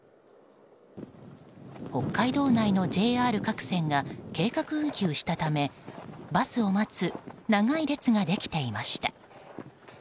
北海道内のＪＲ各線が計画運休したためバスを待つ長い列ができていました。